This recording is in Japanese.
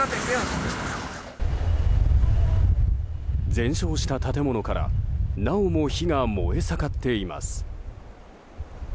全焼した建物からなおも火が燃え盛っています。